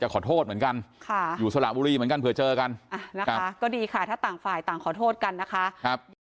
ครับ